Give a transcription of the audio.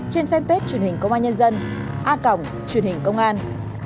trên fanpage truyền hình công an nhân dân a cổng truyền hình công an